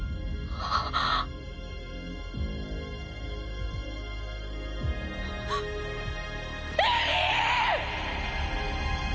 はっエリィ！